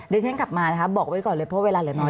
เดี๋ยวฉันกลับมานะคะบอกไว้ก่อนเลยเพราะเวลาเหลือน้อย